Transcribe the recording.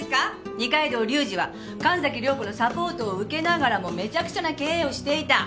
二階堂隆二は神崎涼子のサポートを受けながらもめちゃくちゃな経営をしていた。